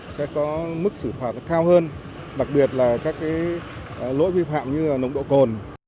sẽ có mức xử phạm cao hơn đặc biệt là các cái lỗi vi phạm như là nồng độ cồn